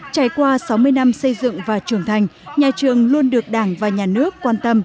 trải qua sáu mươi năm xây dựng và trưởng thành nhà trường luôn được đảng và nhà nước quan tâm